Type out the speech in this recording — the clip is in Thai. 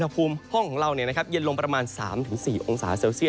แบบ๑๕นาที